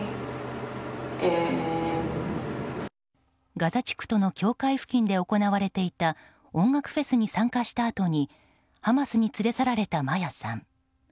ガザ地区との境界付近で行われていた音楽フェスに参加したあとにハマスに連れ去られたマヤさん。